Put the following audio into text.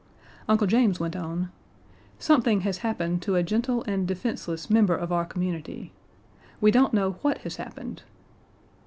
Uncle James went on: "Something has happened to a gentle and defenseless member of our community. We don't know what has happened."